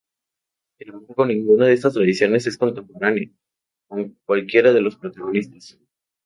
Sin embargo, ninguna de estas tradiciones es contemporánea con cualquiera de los protagonistas.